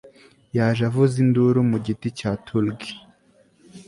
Yaje avuza induru mu giti cya tulgey